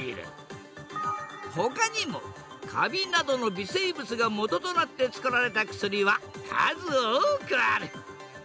ほかにもカビなどの微生物がもととなってつくられた薬は数多くある。